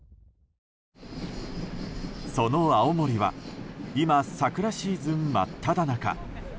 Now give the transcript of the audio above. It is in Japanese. その青森は今、桜シーズン真っただ中。